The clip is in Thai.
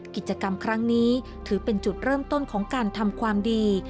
กิจกรรมครั้งนี้ถือเป็นจุดเริ่มต้นของการทำความดี